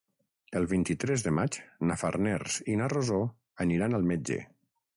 El vint-i-tres de maig na Farners i na Rosó aniran al metge.